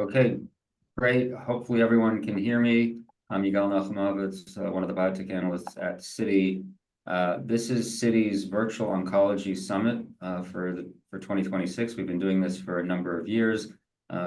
Okay, great. Hopefully, everyone can hear me. I'm Yigal Nochomovitz, one of the biotech analysts at Citi. This is Citi's Virtual Oncology Summit for 2026. We've been doing this for a number of years.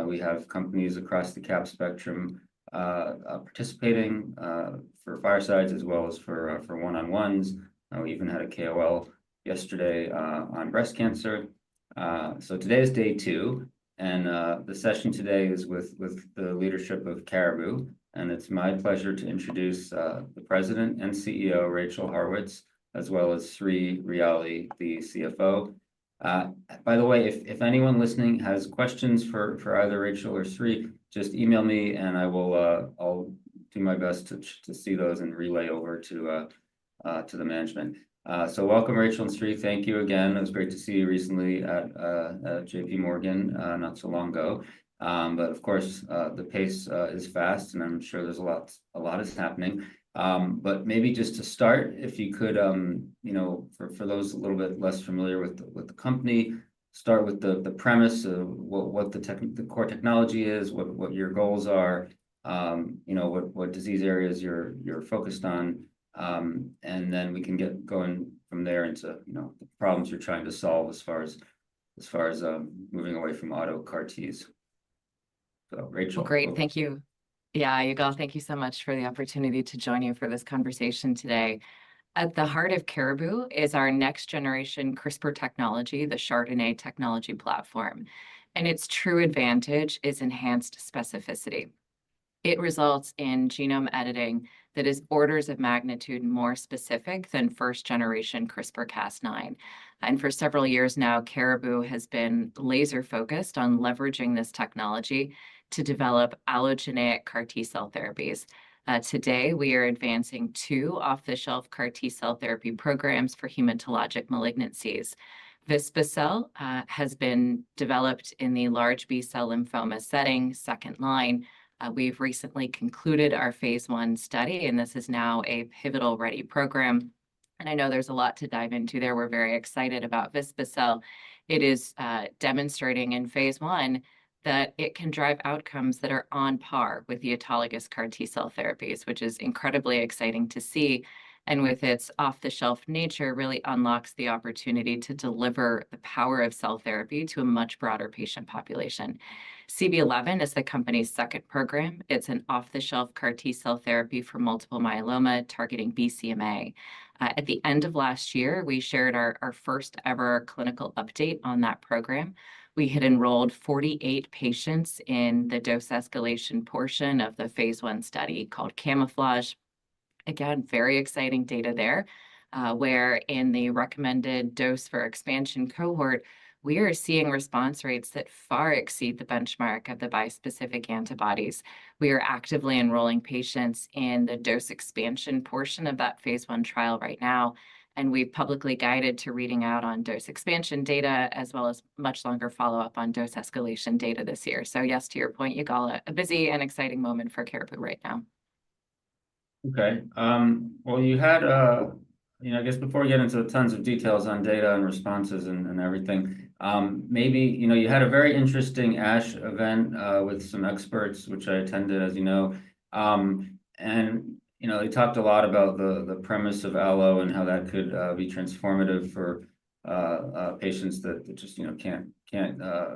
We have companies across the cap spectrum participating for firesides as well as for one-on-ones. We even had a KOL yesterday on breast cancer. Today is day two, and the session today is with the leadership of Caribou. It's my pleasure to introduce the President and CEO, Rachel Haurwitz, as well as Sri Ryali, the CFO. By the way, if anyone listening has questions for either Rachel or Sri, just email me, and I will do my best to see those and relay over to the management. So welcome, Rachel and Sri. Thank you again. It was great to see you recently at JPMorgan not so long ago. But, of course, the pace is fast, and I'm sure there's a lot - a lot is happening. But maybe just to start, if you could, you know, for those a little bit less familiar with the company, start with the premise of what the tech - the core technology is, what your goals are, you know, what disease areas you're focused on. And then we can get going from there into, you know, the problems you're trying to solve as far as moving away from auto CAR-Ts. So, Rachel - Great. Thank you. Yeah, Yigal, thank you so much for the opportunity to join you for this conversation today. At the heart of Caribou is our next-generation CRISPR technology, the chRDNA technology platform, and its true advantage is enhanced specificity. It results in genome editing that is orders of magnitude more specific than first-generation CRISPR-Cas9. For several years now, Caribou has been laser-focused on leveraging this technology to develop allogeneic CAR-T cell therapies. Today, we are advancing two off-the-shelf CAR-T cell therapy programs for hematologic malignancies. Vispa-cel has been developed in the large B cell lymphoma setting, second-line. We've recently concluded our phase I study, and this is now a pivotal-ready program. I know there's a lot to dive into there. We're very excited about vispa-cel. It is demonstrating in phase I that it can drive outcomes that are on par with the autologous CAR-T cell therapies, which is incredibly exciting to see, and with its off-the-shelf nature, really unlocks the opportunity to deliver the power of cell therapy to a much broader patient population. CB-011 is the company's second program. It's an off-the-shelf CAR-T cell therapy for multiple myeloma, targeting BCMA. At the end of last year, we shared our first-ever clinical update on that program. We had enrolled 48 patients in the dose escalation portion of the phase I study, called CaMMouflage. Again, very exciting data there, where in the recommended dose for expansion cohort, we are seeing response rates that far exceed the benchmark of the bispecific antibodies. We are actively enrolling patients in the dose expansion portion of that phase I trial right now, and we've publicly guided to reading out on dose expansion data, as well as much longer follow-up on dose escalation data this year. So yes, to your point, Yigal, a busy and exciting moment for Caribou right now. Okay. Well, you know, I guess before we get into tons of details on data and responses and everything, maybe, you know, you had a very interesting ASH event with some experts, which I attended, as you know. And, you know, they talked a lot about the premise of allo and how that could be transformative for patients that just, you know, can't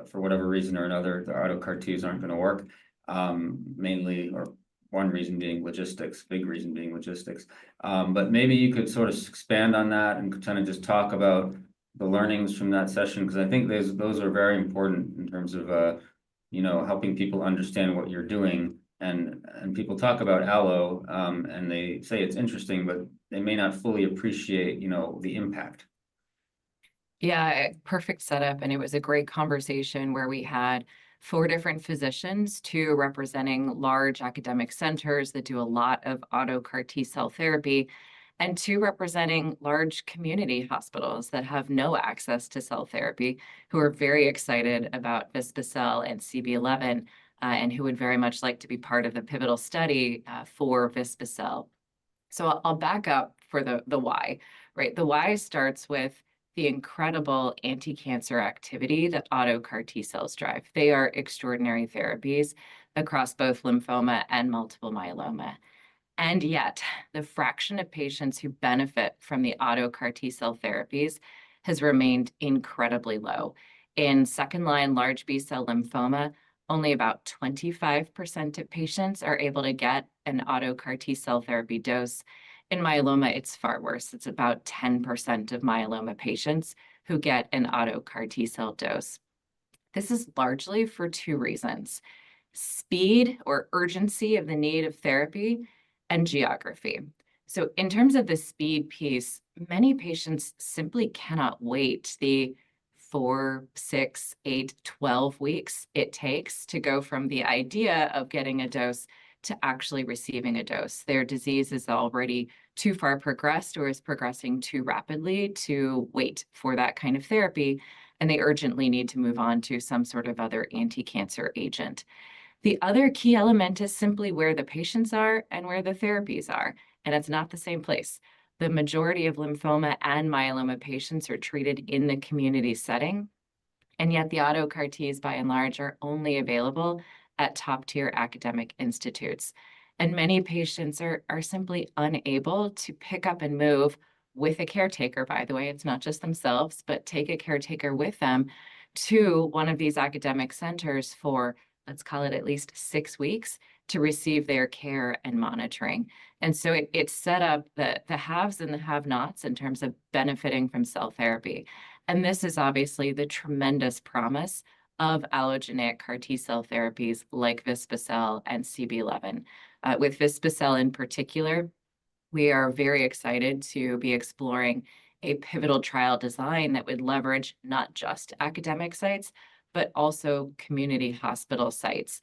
for whatever reason or another, the auto CAR-Ts aren't gonna work. Mainly, or one reason being logistics, big reason being logistics. But maybe you could sort of expand on that and kind of just talk about the learnings from that session, 'cause I think those are very important in terms of, you know, helping people understand what you're doing. People talk about allo, and they say it's interesting, but they may not fully appreciate, you know, the impact. Yeah, perfect setup, and it was a great conversation where we had four different physicians: two representing large academic centers that do a lot of auto CAR-T cell therapy, and two representing large community hospitals that have no access to cell therapy, who are very excited about vispa-cel and CB-011, and who would very much like to be part of the pivotal study for vispa-cel. So I'll back up for the, the why, right? The why starts with the incredible anticancer activity that auto CAR-T cells drive. They are extraordinary therapies across both lymphoma and multiple myeloma. And yet, the fraction of patients who benefit from the auto CAR-T cell therapies has remained incredibly low. In second-line large B cell lymphoma, only about 25% of patients are able to get an auto CAR-T cell therapy dose. In myeloma, it's far worse. It's about 10% of myeloma patients who get an auto CAR-T cell dose. This is largely for two reasons: speed or urgency of the need of therapy, and geography. So in terms of the speed piece, many patients simply cannot wait the four, six, eight, 12 weeks it takes to go from the idea of getting a dose to actually receiving a dose. Their disease is already too far progressed or is progressing too rapidly to wait for that kind of therapy, and they urgently need to move on to some sort of other anticancer agent. The other key element is simply where the patients are and where the therapies are, and it's not the same place. The majority of lymphoma and myeloma patients are treated in the community setting. and yet the auto CAR-Ts, by and large, are only available at top-tier academic institutes. Many patients are simply unable to pick up and move with a caretaker, by the way, it's not just themselves, but take a caretaker with them to one of these academic centers for, let's call it, at least six weeks, to receive their care and monitoring. So it's set up that the haves and the have-nots in terms of benefiting from cell therapy. This is obviously the tremendous promise of allogeneic CAR-T cell therapies like vispa-cel and CB-011. With vispa-cel in particular, we are very excited to be exploring a pivotal trial design that would leverage not just academic sites, but also community hospital sites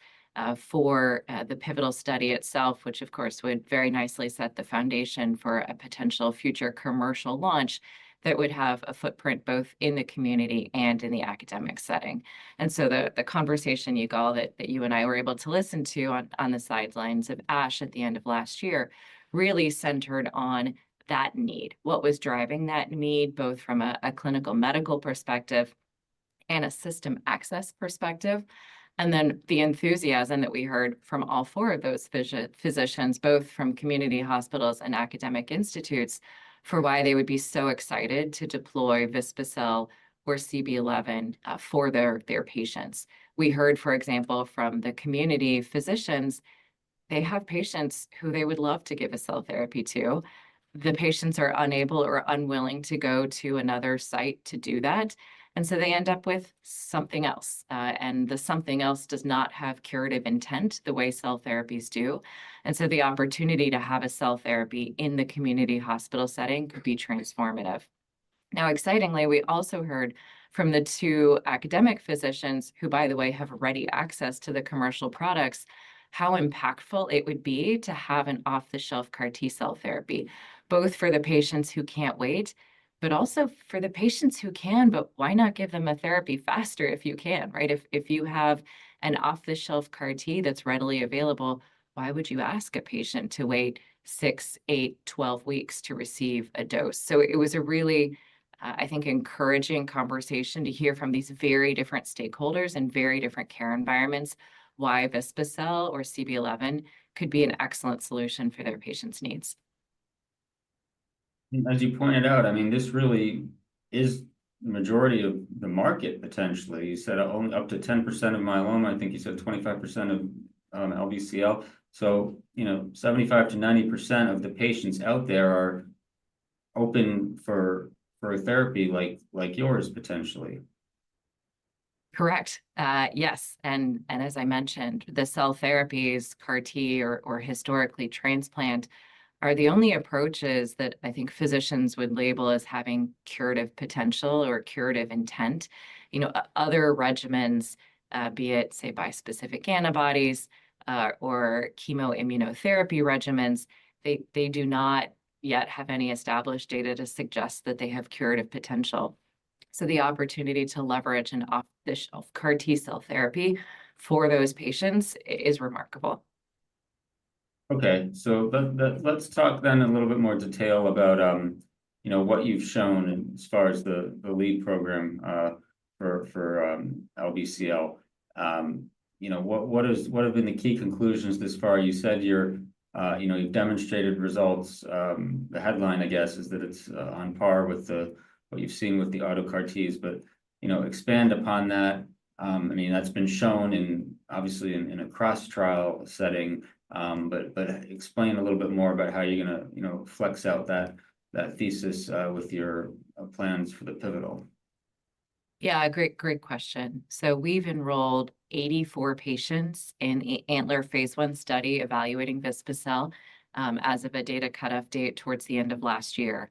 for the pivotal study itself, which, of course, would very nicely set the foundation for a potential future commercial launch that would have a footprint both in the community and in the academic setting. And so the conversation, Yigal, that you and I were able to listen to on the sidelines of ASH at the end of last year, really centered on that need. What was driving that need, both from a clinical medical perspective and a system access perspective? And then the enthusiasm that we heard from all four of those physicians, both from community hospitals and academic institutes, for why they would be so excited to deploy vispa-cel or CB-011 for their patients. We heard, for example, from the community physicians, they have patients who they would love to give a cell therapy to. The patients are unable or unwilling to go to another site to do that, and so they end up with something else. And the something else does not have curative intent the way cell therapies do. So the opportunity to have a cell therapy in the community hospital setting could be transformative. Now, excitingly, we also heard from the two academic physicians, who by the way, have ready access to the commercial products, how impactful it would be to have an off-the-shelf CAR-T cell therapy, both for the patients who can't wait, but also for the patients who can. But why not give them a therapy faster if you can, right? If you have an off-the-shelf CAR-T that's readily available, why would you ask a patient to wait six, eight, 12 weeks to receive a dose? So it was a really, I think, encouraging conversation to hear from these very different stakeholders and very different care environments, why vispa-cel or CB-011 could be an excellent solution for their patients' needs. As you pointed out, I mean, this really is the majority of the market, potentially. You said up to 10% of myeloma, I think you said 25% of, LBCL. So, you know, 75%-90% of the patients out there are open for, for a therapy like, like yours, potentially. Correct. Yes, and as I mentioned, the cell therapies, CAR-T or historically transplant, are the only approaches that I think physicians would label as having curative potential or curative intent. You know, other regimens, be it, say, bispecific antibodies or chemoimmunotherapy regimens, they do not yet have any established data to suggest that they have curative potential. So the opportunity to leverage an off-the-shelf CAR-T cell therapy for those patients is remarkable. Okay, so let's talk then in a little bit more detail about, you know, what you've shown as far as the lead program for LBCL. You know, what have been the key conclusions thus far? You said you know, you've demonstrated results. The headline, I guess, is that it's on par with what you've seen with the auto CAR-Ts, but, you know, expand upon that. I mean, that's been shown in, obviously in, in a cross-trial setting. But explain a little bit more about how you're gonna, you know, flex out that thesis with your plans for the pivotal. Yeah, great, great question. So we've enrolled 84 patients in a ANTLER phase I study evaluating vispa-cel, as of a data cutoff date towards the end of last year.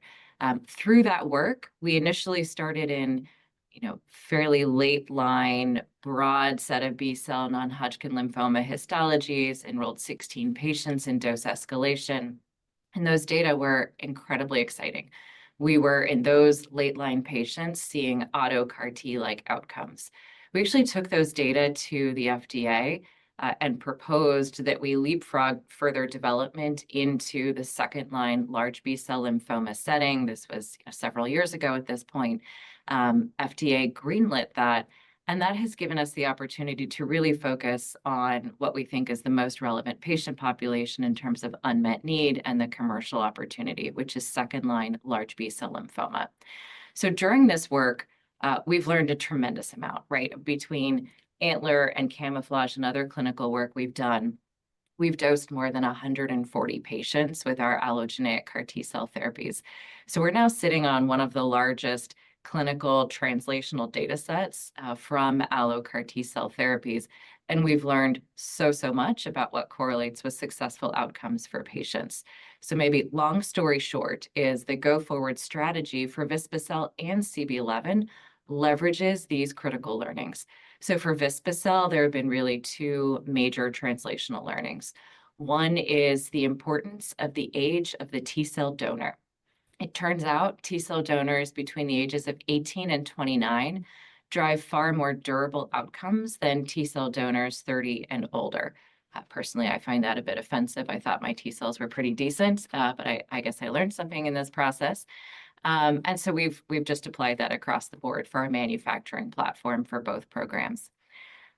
Through that work, we initially started in, you know, fairly late line, broad set of B cell non-Hodgkin lymphoma histologies, enrolled 16 patients in dose escalation, and those data were incredibly exciting. We were, in those late line patients, seeing auto CAR-T-like outcomes. We actually took those data to the FDA, and proposed that we leapfrog further development into the second-line large B cell lymphoma setting. This was several years ago at this point. FDA green-lit that, and that has given us the opportunity to really focus on what we think is the most relevant patient population in terms of unmet need and the commercial opportunity, which is second-line large B cell lymphoma. So during this work, we've learned a tremendous amount, right? Between ANTLER and CaMMouflage and other clinical work we've done, we've dosed more than 140 patients with our allogeneic CAR-T cell therapies. So we're now sitting on one of the largest clinical translational datasets from allo CAR-T cell therapies, and we've learned so, so much about what correlates with successful outcomes for patients. So maybe long story short is the go-forward strategy for vispa-cel and CB-011 leverages these critical learnings. So for vispa-cel, there have been really two major translational learnings. One is the importance of the age of the T cell donor. It turns out T cell donors between the ages of 18 and 29 drive far more durable outcomes than T cell donors 30 and older. Personally, I find that a bit offensive. I thought my T cells were pretty decent, but I guess I learned something in this process. And so we've just applied that across the board for our manufacturing platform for both programs.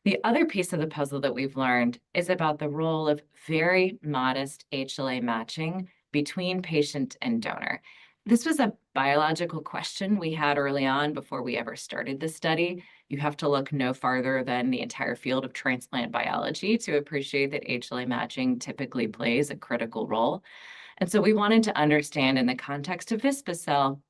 The other piece of the puzzle that we've learned is about the role of very modest HLA matching between patient and donor. This was a biological question we had early on before we ever started this study. You have to look no farther than the entire field of transplant biology to appreciate that HLA matching typically plays a critical role. And so we wanted to understand in the context of vispa-cel,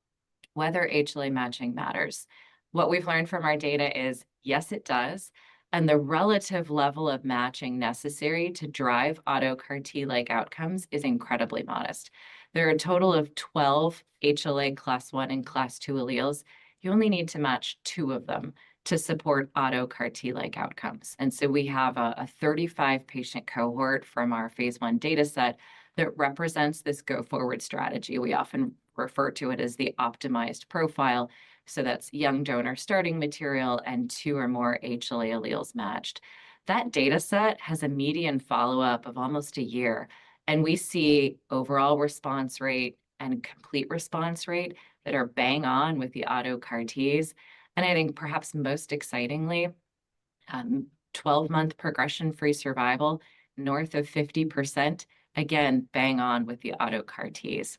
whether HLA matching matters. What we've learned from our data is, yes, it does, and the relative level of matching necessary to drive auto CAR-T-like outcomes is incredibly modest. There are a total of 12 HLA class I and class II alleles. You only need to match two of them to support auto CAR-T-like outcomes. So we have a 35-patient cohort from our phase I data set that represents this go-forward strategy. We often refer to it as the optimized profile, so that's young donor starting material and two or more HLA alleles matched. That data set has a median follow-up of almost a year, and we see overall response rate and complete response rate that are bang on with the auto CAR-Ts, and I think perhaps most excitingly, 12-month progression-free survival, north of 50%, again, bang on with the auto CAR-Ts.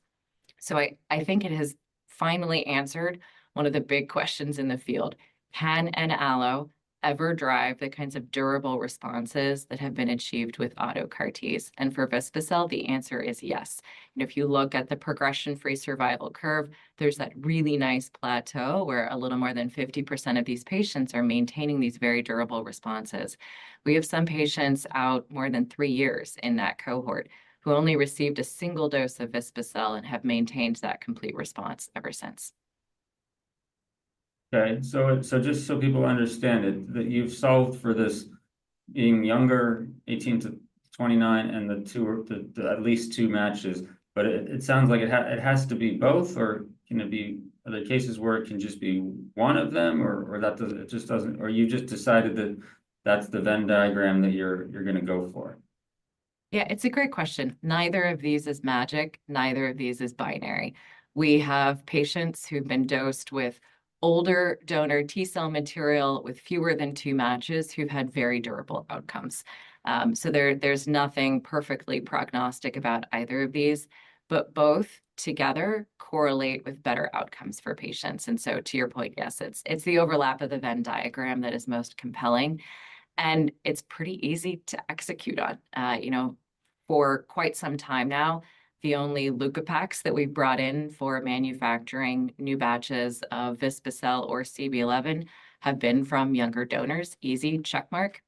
So I think it has finally answered one of the big questions in the field: Can an allo ever drive the kinds of durable responses that have been achieved with auto CAR-Ts? And for vispa-cel, the answer is yes. If you look at the progression-free survival curve, there's that really nice plateau, where a little more than 50% of these patients are maintaining these very durable responses. We have some patients out more than three years in that cohort, who only received a single dose of vispa-cel and have maintained that complete response ever since. Okay, so just so people understand it, that you've solved for this being younger, 18-29, and the two... the at least two matches. But it sounds like it has to be both, or can it be, are there cases where it can just be one of them, or that doesn't... Or you just decided that that's the Venn diagram that you're gonna go for? Yeah, it's a great question. Neither of these is magic, neither of these is binary. We have patients who've been dosed with older donor T cell material with fewer than two matches, who've had very durable outcomes. So, there's nothing perfectly prognostic about either of these, but both together correlate with better outcomes for patients. And so to your point, yes, it's the overlap of the Venn diagram that is most compelling, and it's pretty easy to execute on. You know, for quite some time now, the only leukopaks that we've brought in for manufacturing new batches of vispa-cel or CB-011 have been from younger donors. Easy, check mark.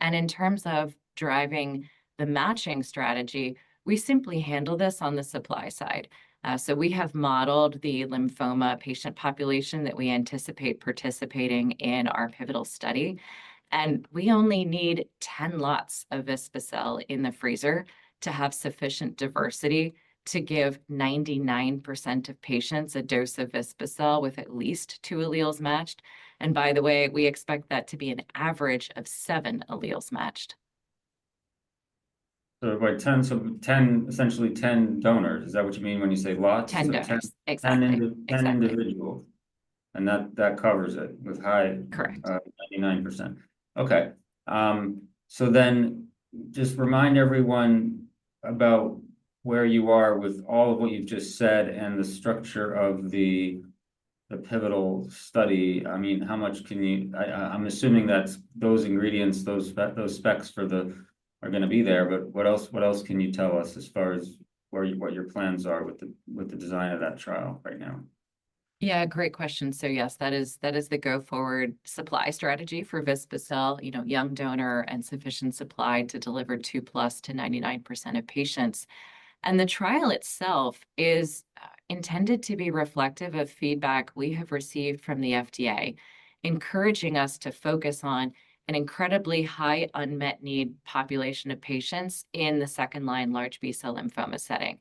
And in terms of driving the matching strategy, we simply handle this on the supply side. So we have modeled the lymphoma patient population that we anticipate participating in our pivotal study, and we only need 10 lots of vispa-cel in the freezer to have sufficient diversity to give 99% of patients a dose of vispa-cel with at least two alleles matched. By the way, we expect that to be an average of seven alleles matched. So by 10, so 10, essentially 10 donors, is that what you mean when you say lots? 10 donors. 10- Exactly. 10 individuals, and that, that covers it with high- Correct. 99%. Okay, so then just remind everyone about where you are with all of what you've just said and the structure of the, the pivotal study. I mean, how much can you... I, I'm assuming that's those ingredients, those specs for the are gonna be there, but what else, what else can you tell us as far as where, what your plans are with the, with the design of that trial right now? Yeah, great question. So yes, that is, that is the go-forward supply strategy for vispa-cel. You know, young donor and sufficient supply to deliver 2+ to 99% of patients. And the trial itself is intended to be reflective of feedback we have received from the FDA, encouraging us to focus on an incredibly high unmet need population of patients in the second-line large B cell lymphoma setting.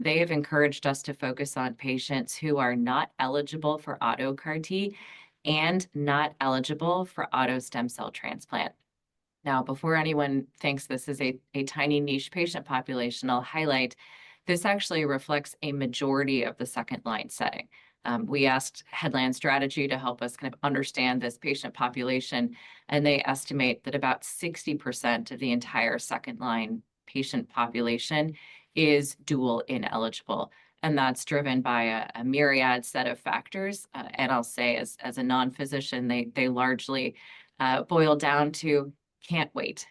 They have encouraged us to focus on patients who are not eligible for auto CAR-T and not eligible for auto stem cell transplant. Now, before anyone thinks this is a tiny niche patient population, I'll highlight, this actually reflects a majority of the second-line setting. We asked Headland Strategy to help us kind of understand this patient population, and they estimate that about 60% of the entire second-line patient population is dual ineligible, and that's driven by a myriad set of factors. And I'll say, as a non-physician, they largely boil down to, "Can't wait."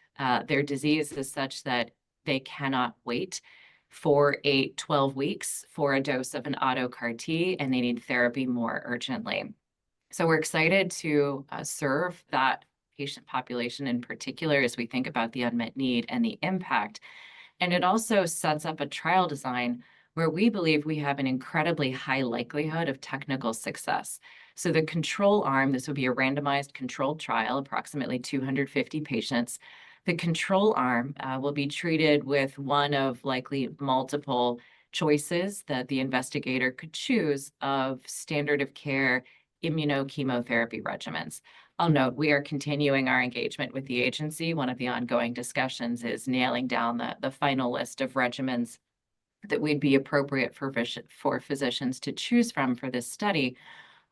Their disease is such that they cannot wait for 8-12 weeks for a dose of an auto CAR-T, and they need therapy more urgently. So we're excited to serve that patient population in particular as we think about the unmet need and the impact. And it also sets up a trial design where we believe we have an incredibly high likelihood of technical success. So the control arm, this would be a randomized controlled trial, approximately 250 patients. The control arm will be treated with one of likely multiple choices that the investigator could choose of standard of care immunochemotherapy regimens. I'll note, we are continuing our engagement with the agency. One of the ongoing discussions is nailing down the final list of regimens that would be appropriate for physicians to choose from for this study.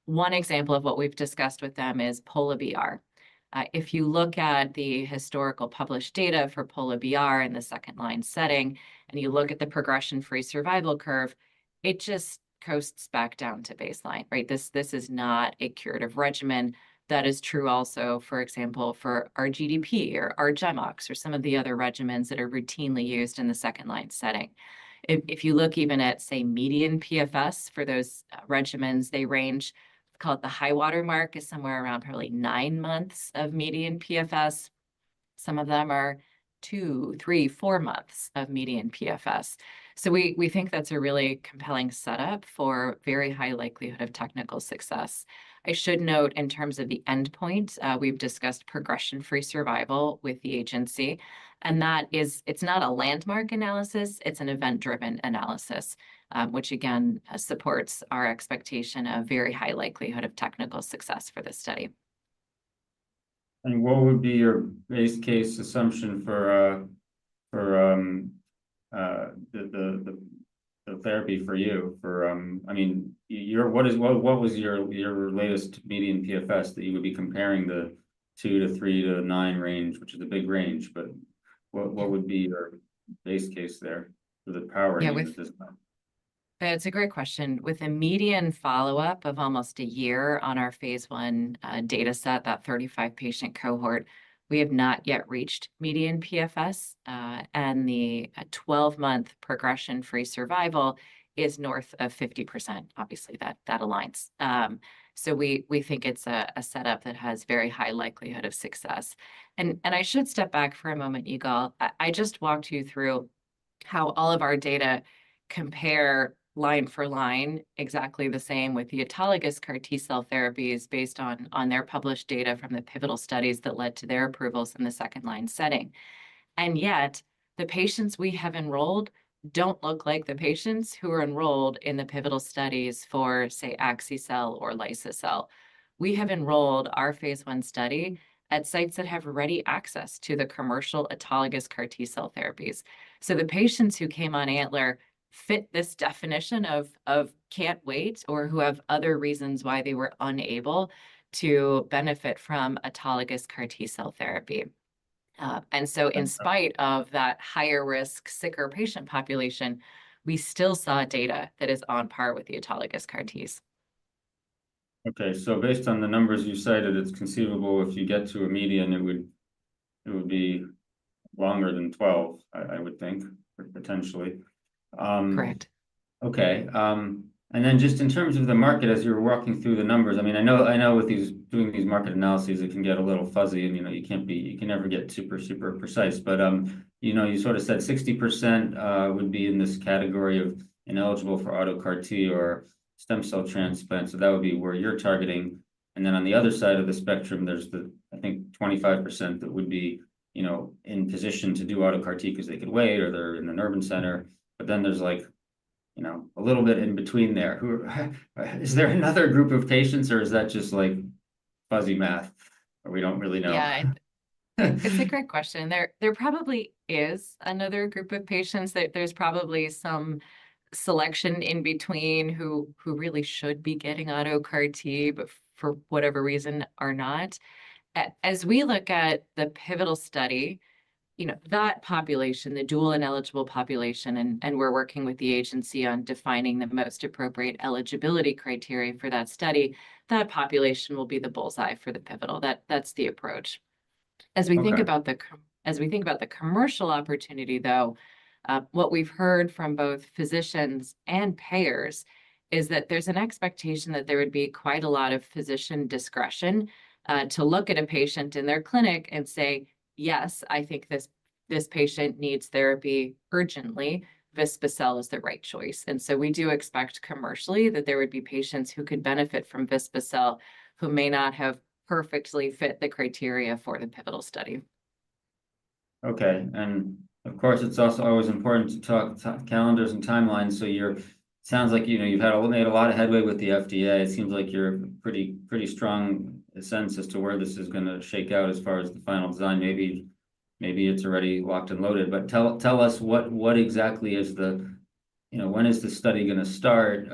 One example of what we've discussed with them is Pola-BR. If you look at the historical published data for Pola-BR in the second-line setting, and you look at the progression-free survival curve, it just coasts back down to baseline, right? This is not a curative regimen. That is true also, for example, for R-GDP or R-GemOx, or some of the other regimens that are routinely used in the second-line setting. If you look even at, say, median PFS for those regimens, they range—call it the high water mark, is somewhere around probably nine months of median PFS. Some of them are two, three, four months of median PFS. So we think that's a really compelling setup for very high likelihood of technical success. I should note, in terms of the endpoint, we've discussed progression-free survival with the agency, and that is—it's not a landmark analysis, it's an event-driven analysis, which, again, supports our expectation of very high likelihood of technical success for this study. What would be your base case assumption for the therapy for you? I mean, what was your latest median PFS that you would be comparing the two to three to nine range, which is a big range, but what would be your base case there for the power- Yeah, we- In the system? That's a great question. With a median follow-up of almost a year on our phase I dataset, that 35-patient cohort, we have not yet reached median PFS, and the 12-month progression-free survival is north of 50%. Obviously, that aligns. So we think it's a setup that has very high likelihood of success. And I should step back for a moment, Yigal. I just walked you through how all of our data compare line for line, exactly the same with the autologous CAR-T cell therapies, based on their published data from the pivotal studies that led to their approvals in the second-line setting. And yet, the patients we have enrolled don't look like the patients who were enrolled in the pivotal studies for, say, axi-cel or liso-cel. We have enrolled our phase I study at sites that have ready access to the commercial autologous CAR-T cell therapies. So the patients who came on ANTLER fit this definition of can't wait or who have other reasons why they were unable to benefit from autologous CAR-T cell therapy. And so- And, uh-... in spite of that higher-risk, sicker patient population, we still saw data that is on par with the autologous CAR-Ts. Okay. So based on the numbers you've cited, it's conceivable if you get to a median, it would be longer than 12, I would think, potentially. Correct. Okay. And then just in terms of the market, as you were walking through the numbers... I mean, I know, I know doing these market analyses, it can get a little fuzzy, and, you know, you can never get super, super precise. But, you know, you sort of said 60% would be in this category of ineligible for auto CAR-T or stem cell transplant, so that would be where you're targeting. And then, on the other side of the spectrum, there's the, I think, 25% that would be, you know, in position to do auto CAR-T because they could wait, or they're in an urban center. But then there's, like, you know, a little bit in between there, who... Is there another group of patients, or is that just, like, fuzzy math, and we don't really know? Yeah. It's a great question. There probably is another group of patients, that there's probably some selection in between who really should be getting auto CAR-T, but for whatever reason, are not. As we look at the pivotal study, you know, that population, the dual-ineligible population, and we're working with the agency on defining the most appropriate eligibility criterion for that study, that population will be the bullseye for the pivotal. That's the approach. Okay. As we think about the commercial opportunity, though, what we've heard from both physicians and payers is that there's an expectation that there would be quite a lot of physician discretion to look at a patient in their clinic and say: "Yes, I think this, this patient needs therapy urgently. Vispa-cel is the right choice." And so we do expect, commercially, that there would be patients who could benefit from vispa-cel, who may not have perfectly fit the criteria for the pivotal study. Okay. Of course, it's also always important to talk to calendars and timelines. So you're- sounds like, you know, you've had a, made a lot of headway with the FDA. It seems like you're pretty, pretty strong sense as to where this is gonna shake out as far as the final design. Maybe, maybe it's already locked and loaded. But tell, tell us what, what exactly is the... You know, when is the study gonna start?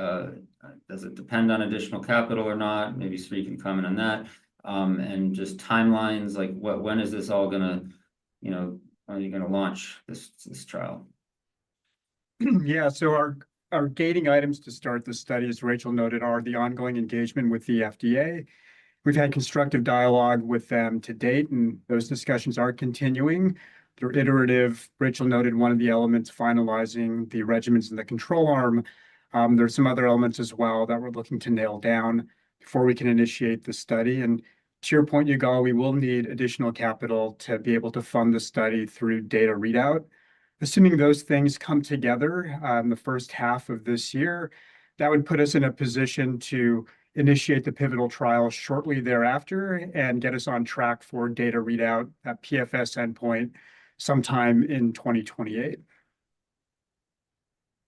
Does it depend on additional capital or not? Maybe Sri can comment on that. And just timelines, like, what- when is this all gonna... You know, are you gonna launch this, this trial? Yeah. So our gating items to start the study, as Rachel noted, are the ongoing engagement with the FDA. We've had constructive dialogue with them to date, and those discussions are continuing. They're iterative. Rachel noted one of the elements, finalizing the regimens in the control arm. There are some other elements as well that we're looking to nail down before we can initiate the study. And to your point, Yigal, we will need additional capital to be able to fund the study through data readout. Assuming those things come together in the first half of this year, that would put us in a position to initiate the pivotal trial shortly thereafter and get us on track for data readout, a PFS endpoint, sometime in 2028.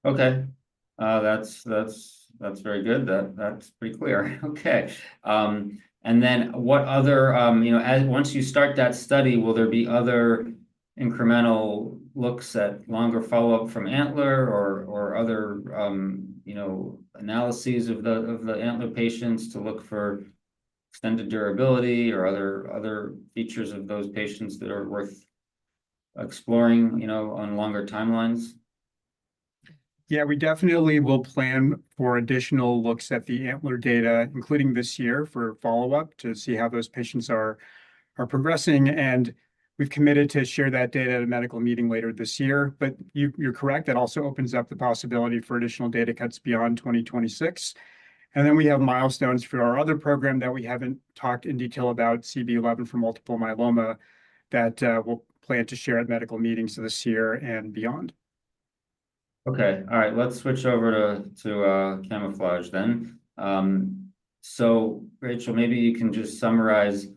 Okay. That's very good. That's pretty clear. Okay, and then what other, you know, once you start that study, will there be other incremental looks at longer follow-up from ANTLER or other, you know, analyses of the ANTLER patients to look for extended durability or other features of those patients that are worth exploring, you know, on longer timelines? Yeah, we definitely will plan for additional looks at the ANTLER data, including this year, for follow-up, to see how those patients are progressing. And we've committed to share that data at a medical meeting later this year. But you, you're correct, that also opens up the possibility for additional data cuts beyond 2026. And then we have milestones for our other program that we haven't talked in detail about, CB-011, for multiple myeloma, that we'll plan to share at medical meetings this year and beyond. Okay. All right, let's switch over to CaMMouflage then. So Rachel, maybe you can just summarize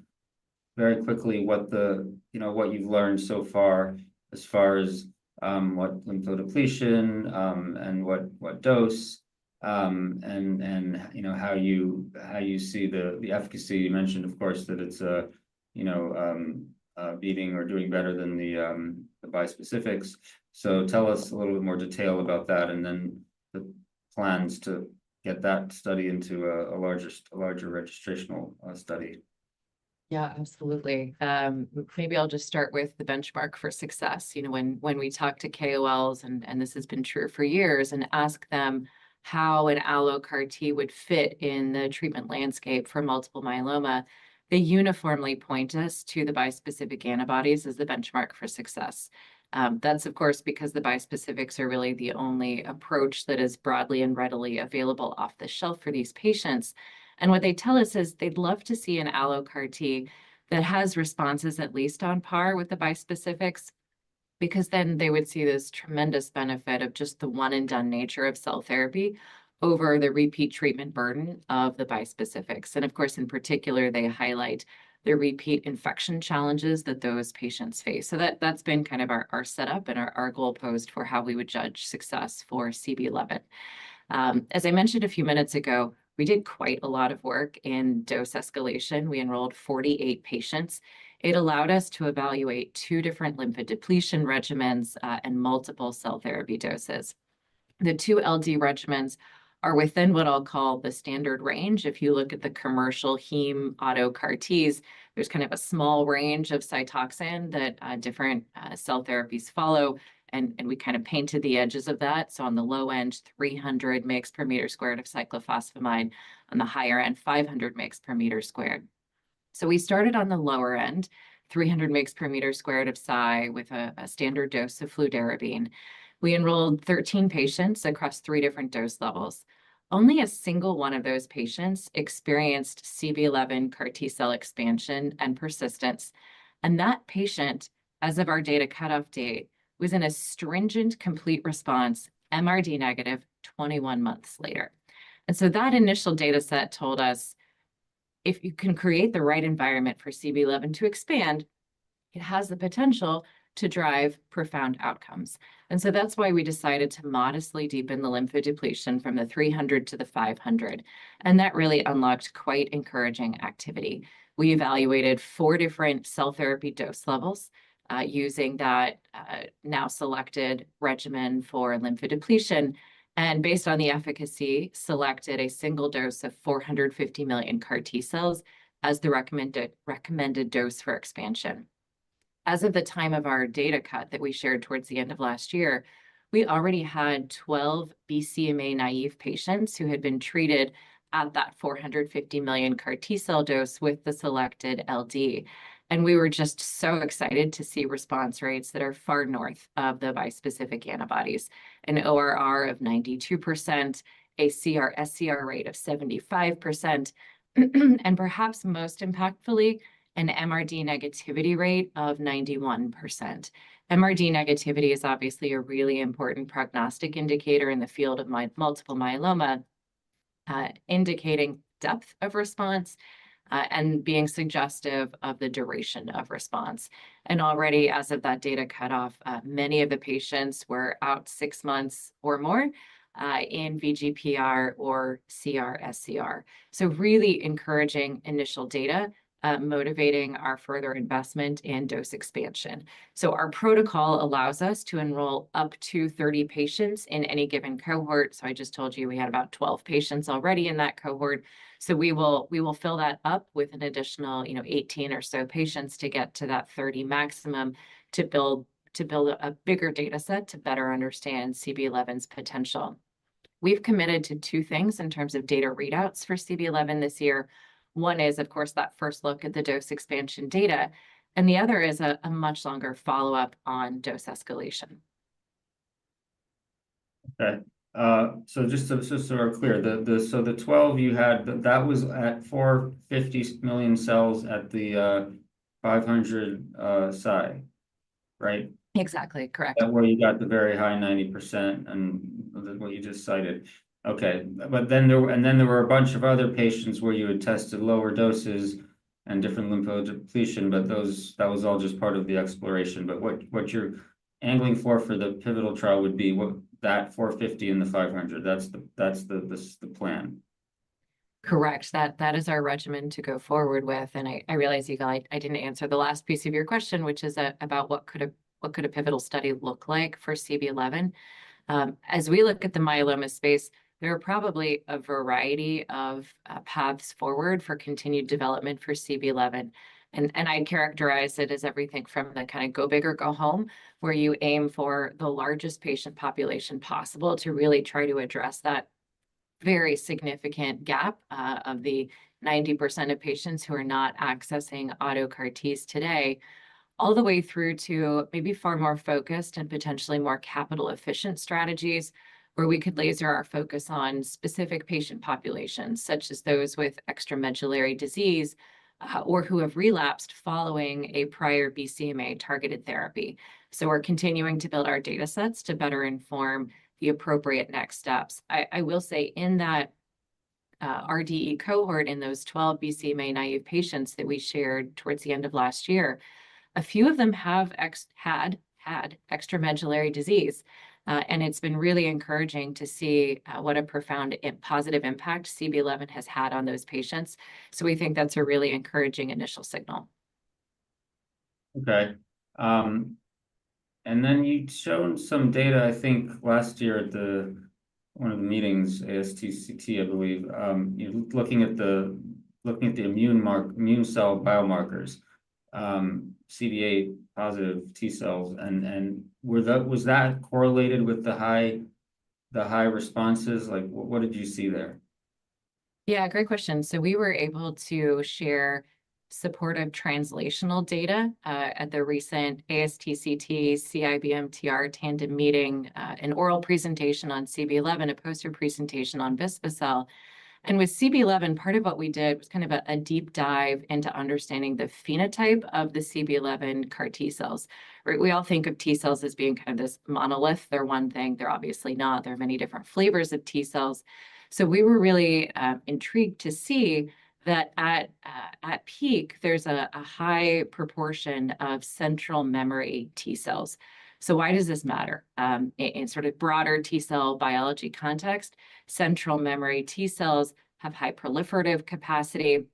very quickly what the, you know, what you've learned so far as far as what lymphodepletion and what dose and, you know, how you see the efficacy. You mentioned, of course, that it's a, you know, beating or doing better than the bispecifics. So tell us a little bit more detail about that, and then the plans to get that study into a larger registrational study. Yeah, absolutely. Maybe I'll just start with the benchmark for success. You know, when we talk to KOLs, and this has been true for years, and ask them how an allo CAR-T would fit in the treatment landscape for multiple myeloma, they uniformly point us to the bispecific antibodies as the benchmark for success. That's, of course, because the bispecifics are really the only approach that is broadly and readily available off the shelf for these patients. And what they tell us is they'd love to see an allo CAR-T that has responses at least on par with the bispecifics, because then they would see this tremendous benefit of just the one-and-done nature of cell therapy over the repeat treatment burden of the bispecifics. And of course, in particular, they highlight the repeat infection challenges that those patients face. So that's been kind of our setup and our goalpost for how we would judge success for CB-011. As I mentioned a few minutes ago, we did quite a lot of work in dose escalation. We enrolled 48 patients. It allowed us to evaluate two different lymphodepletion regimens and multiple cell therapy doses. The two LD regimens are within what I'll call the standard range. If you look at the commercial heme auto CAR-Ts, there's kind of a small range of Cytoxan that different cell therapies follow, and we kinda painted the edges of that. So on the low end, 300 mg/m² of cyclophosphamide, on the higher end, 500 mg/m². So we started on the lower end, 300 mg/m² of Cy, with a standard dose of fludarabine. We enrolled 13 patients across three different dose levels. Only one of those patients experienced CB-011 CAR-T cell expansion and persistence, and that patient, as of our data cutoff date, was in a stringent, complete response, MRD negative, 21 months later. And so that initial data set told us if you can create the right environment for CB-011 to expand, it has the potential to drive profound outcomes. And so that's why we decided to modestly deepen the lymphodepletion from the 300 to the 500, and that really unlocked quite encouraging activity. We evaluated four different cell therapy dose levels, using that, now selected regimen for lymphodepletion, and based on the efficacy, selected a single dose of 450 million CAR-T cells as the recommended dose for expansion. As of the time of our data cut that we shared towards the end of last year, we already had 12 BCMA-naïve patients who had been treated at that 450 million CAR-T cell dose with the selected LD. We were just so excited to see response rates that are far north of the bispecific antibodies, an ORR of 92%, a CR/sCR rate of 75%, and perhaps most impactfully, an MRD negativity rate of 91%. MRD negativity is obviously a really important prognostic indicator in the field of multiple myeloma, indicating depth of response, and being suggestive of the duration of response. Already, as of that data cutoff, many of the patients were out six months or more, in VGPR or CR/sCR. So really encouraging initial data, motivating our further investment and dose expansion. So our protocol allows us to enroll up to 30 patients in any given cohort. So I just told you we had about 12 patients already in that cohort. So we will, we will fill that up with an additional, you know, 18 or so patients to get to that 30 maximum, to build, to build a, a bigger data set to better understand CB-011's potential. We've committed to two things in terms of data readouts for CB-011 this year. One is, of course, that first look at the dose expansion data, and the other is a, a much longer follow-up on dose escalation. Okay, so just so we're clear, the 12 you had, that was at 450 million cells at the 500 Cy, right? Exactly. Correct. That's where you got the very high 90% and what you just cited. Okay, but then there were a bunch of other patients where you had tested lower doses and different lymphodepletion, but those, that was all just part of the exploration. But what you're angling for for the pivotal trial would be what- that 450 and the 500, that's the plan? Correct. That, that is our regimen to go forward with. And I, I realize I didn't answer the last piece of your question, which is about what a pivotal study could look like for CB-011. As we look at the myeloma space, there are probably a variety of paths forward for continued development for CB-011. I'd characterize it as everything from the kind of go big or go home, where you aim for the largest patient population possible to really try to address that very significant gap of the 90% of patients who are not accessing auto CAR-Ts today, all the way through to maybe far more focused and potentially more capital-efficient strategies, where we could laser our focus on specific patient populations, such as those with extramedullary disease or who have relapsed following a prior BCMA-targeted therapy. So we're continuing to build our datasets to better inform the appropriate next steps. I will say, in that RDE cohort, in those 12 BCMA-naïve patients that we shared towards the end of last year, a few of them had extramedullary disease. It's been really encouraging to see what a profound positive impact CB-011 has had on those patients. So we think that's a really encouraging initial signal. Okay. And then you'd shown some data, I think, last year at one of the meetings, ASTCT, I believe. Looking at the immune cell biomarkers, CD8-positive T cells. Was that correlated with the high responses? Like, what did you see there? Yeah, great question. So we were able to share supportive translational data at the recent ASTCT/CIBMTR Tandem Meeting, an oral presentation on CB-011, a poster presentation on vispa-cel. And with CB-011, part of what we did was kind of a deep dive into understanding the phenotype of the CB-011 CAR-T cells. Right, we all think of T cells as being kind of this monolith. They're one thing, they're obviously not. There are many different flavors of T cells. So we were really intrigued to see that at peak, there's a high proportion of central memory T cells. So why does this matter? In sort of broader T cell biology context, central memory T cells have high proliferative capacity,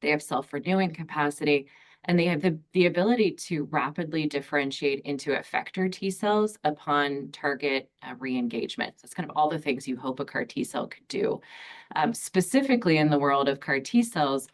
they have self-renewing capacity, and they have the ability to rapidly differentiate into effector T cells upon target re-engagement. So it's kind of all the things you hope a CAR-T cell could do. Specifically in the world of CAR-T cells,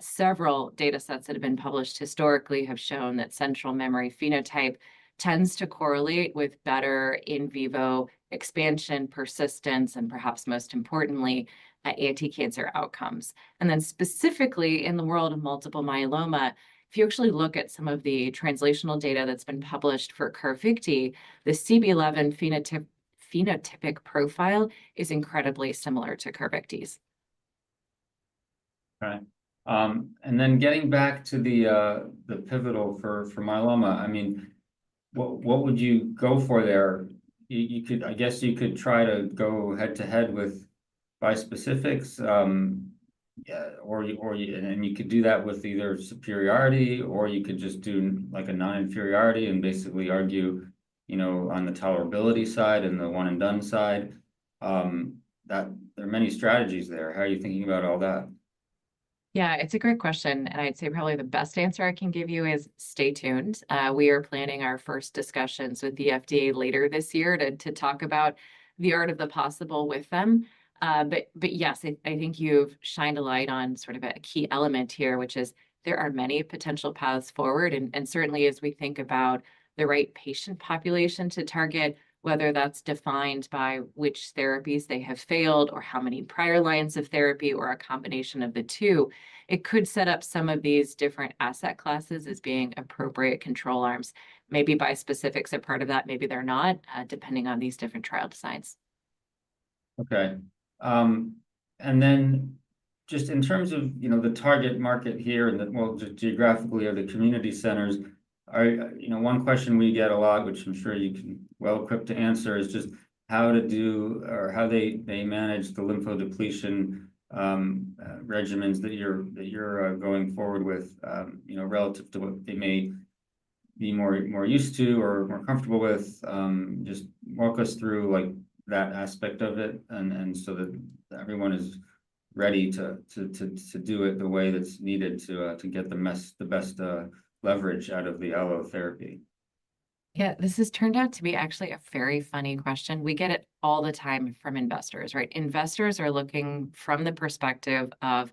several datasets that have been published historically have shown that central memory phenotype tends to correlate with better in vivo expansion, persistence, and perhaps most importantly, anti-cancer outcomes. And then specifically in the world of multiple myeloma, if you actually look at some of the translational data that's been published for CARVYKTI, the CB-011 phenotypic profile is incredibly similar to CARVYKTI's. Right. And then getting back to the pivotal for myeloma, I mean, what would you go for there? You could... I guess you could try to go head-to-head with bispecifics, or you... And you could do that with either superiority, or you could just do, like, a non-inferiority and basically argue, you know, on the tolerability side and the one-and-done side, that there are many strategies there. How are you thinking about all that? Yeah, it's a great question, and I'd say probably the best answer I can give you is stay tuned. We are planning our first discussions with the FDA later this year to talk about the art of the possible with them. But yes, I think you've shined a light on sort of a key element here, which is there are many potential paths forward. And certainly as we think about the right patient population to target, whether that's defined by which therapies they have failed, or how many prior lines of therapy, or a combination of the two, it could set up some of these different asset classes as being appropriate control arms. Maybe bispecifics are part of that, maybe they're not, depending on these different trial designs. Okay. And then just in terms of, you know, the target market here and the, well, just geographically or the community centers, are— You know, one question we get a lot, which I'm sure you're well equipped to answer, is just how to do or how they manage the lymphodepletion regimens that you're going forward with, you know, relative to what they may be more used to or more comfortable with. Just walk us through, like, that aspect of it and so that everyone is ready to do it the way that's needed to get the best leverage out of the allo therapy. Yeah, this has turned out to be actually a very funny question. We get it all the time from investors, right? Investors are looking from the perspective of: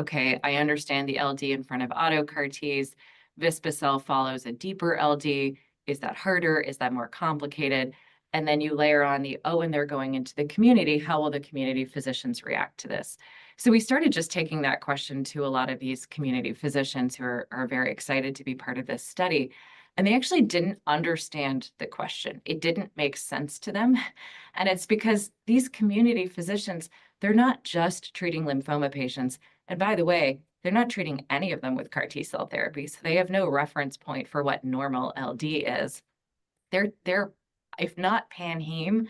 "Okay, I understand the LD in front of auto CAR-Ts. vispa-cel follows a deeper LD. Is that harder? Is that more complicated?" And then you layer on the, "Oh, and they're going into the community. How will the community physicians react to this?" So we started just taking that question to a lot of these community physicians who are very excited to be part of this study, and they actually didn't understand the question. It didn't make sense to them, and it's because these community physicians, they're not just treating lymphoma patients. And by the way, they're not treating any of them with CAR-T cell therapies, so they have no reference point for what normal LD is. They're, if not pan-heme,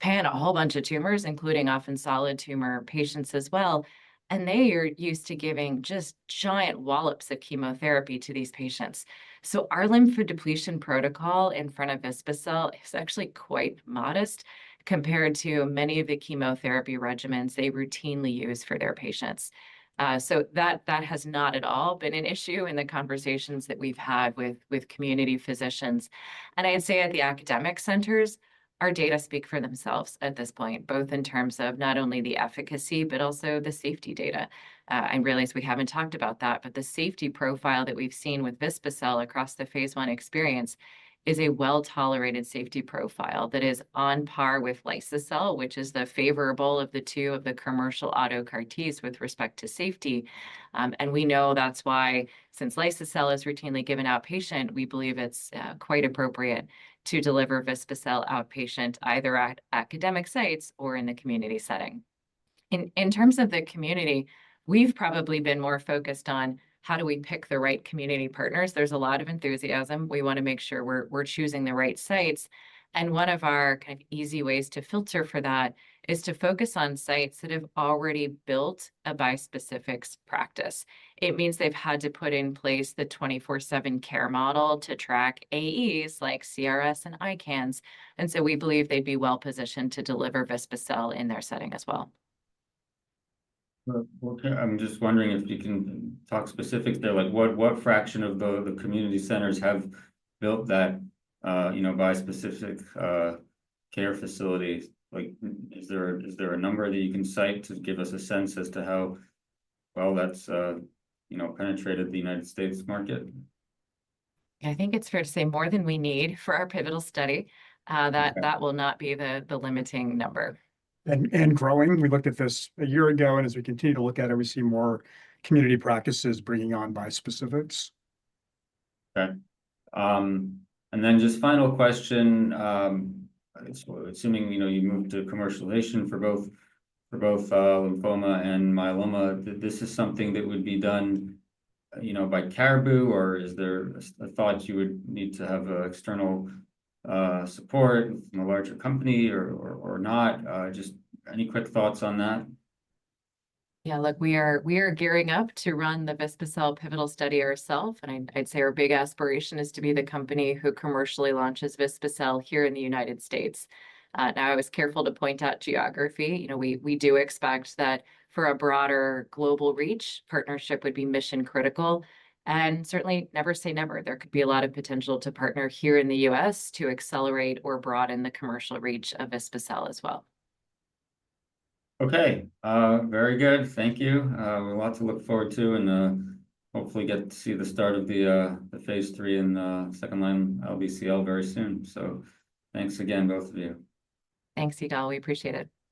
pan a whole bunch of tumors, including often solid tumor patients as well, and they are used to giving just giant wallops of chemotherapy to these patients. So our lymphodepletion protocol in front of vispa-cel is actually quite modest compared to many of the chemotherapy regimens they routinely use for their patients. So that has not at all been an issue in the conversations that we've had with community physicians. And I'd say at the academic centers, our data speak for themselves at this point, both in terms of not only the efficacy, but also the safety data. I realize we haven't talked about that, but the safety profile that we've seen with vispa-cel across the phase I experience is a well-tolerated safety profile that is on par with liso-cel, which is the favorable of the two of the commercial auto CAR-Ts with respect to safety. And we know that's why, since liso-cel is routinely given outpatient, we believe it's quite appropriate to deliver vispa-cel outpatient, either at academic sites or in the community setting. In terms of the community, we've probably been more focused on: How do we pick the right community partners? There's a lot of enthusiasm. We wanna make sure we're choosing the right sites, and one of our kind of easy ways to filter for that is to focus on sites that have already built a bispecifics practice. It means they've had to put in place the 24/7 care model to track AEs like CRS and ICANS. And so we believe they'd be well-positioned to deliver vispa-cel in their setting as well. Well, well, I'm just wondering if you can talk specifics there, like what fraction of the community centers have built that, you know, bispecific care facility? Like, is there a number that you can cite to give us a sense as to how well that's, you know, penetrated the United States market? I think it's fair to say more than we need for our pivotal study, that- Okay.... that will not be the limiting number. And growing. We looked at this a year ago, and as we continue to look at it, we see more community practices bringing on bispecifics. Okay. And then just final question, assuming, you know, you move to commercialization for both, for both, lymphoma and myeloma, this is something that would be done, you know, by Caribou or is there a thought you would need to have external support from a larger company or not? Just any quick thoughts on that? Yeah, look, we are gearing up to run the vispa-cel pivotal study ourselves, and I'd say our big aspiration is to be the company who commercially launches vispa-cel here in the United States. Now, I was careful to point out geography. You know, we do expect that for a broader global reach, partnership would be mission-critical, and certainly never say never. There could be a lot of potential to partner here in the U.S. to accelerate or broaden the commercial reach of vispa-cel as well. Okay, very good. Thank you. A lot to look forward to and, hopefully get to see the start of the, the phase III and, second-line LBCL very soon. So thanks again, both of you. Thanks, Yigal. We appreciate it. Sure.